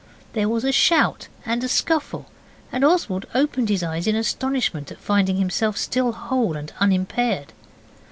There was a shout and a scuffle, and Oswald opened his eyes in astonishment at finding himself still whole and unimpaired.